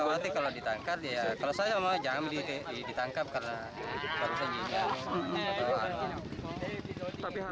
khawatir kalau ditangkap kalau saya mau jangan ditangkap karena barusan jenisnya